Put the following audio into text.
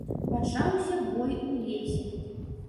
Пачаўся бой у лесе.